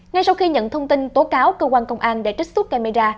ngay sau khi nhận thông tin tố cáo cơ quan công an đã trích xuất camera